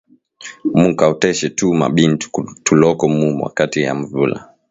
Muka oteshe tu ma bintu tuloko mu wakati ya nvula.